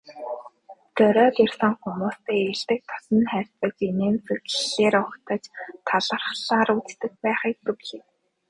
Зориод ирсэн хүмүүстэй эелдэг дотно харилцаж, инээмсэглэлээр угтаж, талархлаар үддэг байхыг зөвлөе.